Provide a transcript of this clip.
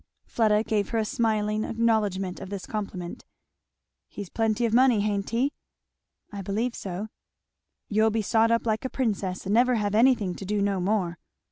Fleda gave her a smiling acknowledgment of this compliment. "He's plenty of money, ha'n't he?" "I believe so." "You'll be sot up like a princess, and never have anything to do no more."